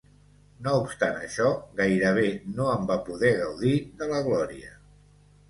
No obstant això, gairebé no en va poder gaudir de la glòria.